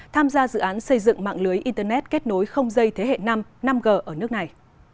tham gia dự án xây dựng mạng lưới internet kết nối không dây thế hệ năm g ở nước này